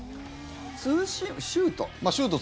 ツーシームシュート？